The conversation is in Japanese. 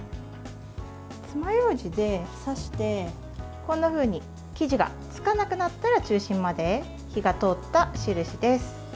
つまようじで刺してこんなふうに生地がつかなくなったら中心まで火が通った印です。